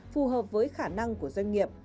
phù hợp với khả năng của doanh nghiệp